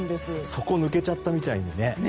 底が抜けちゃったみたいにね。